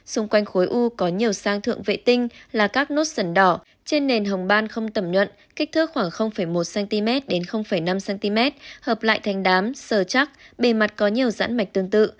xung quanh khối u có nhiều sang thượng vệ tinh là các nốt sẩn đỏ trên nền hồng ban không tẩm nhuận kích thước khoảng một cm đến năm cm hợp lại thành đám sờ chắc bề mặt có nhiều dãn mạch tương tự